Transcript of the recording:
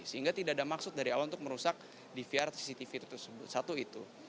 sehingga tidak ada maksud dari awal untuk merusak dvr cctv satu itu